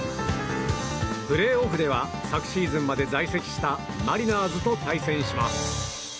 プレーオフでは昨シーズンまで在籍したマリナーズと対戦します。